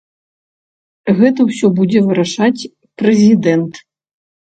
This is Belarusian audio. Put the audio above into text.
Гэта ўсё будзе вырашаць прэзідэнт.